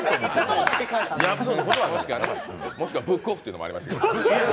もしくはブックオフというのもあります